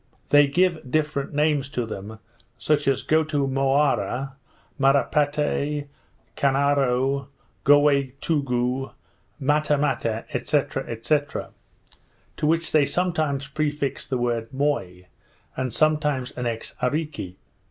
They give different names to them, such as Gotomoara, Marapate, Kanaro, Goway too goo, Matta Matta, &c. &c. to which they sometimes prefix the word Moi, and sometimes annex Areeke.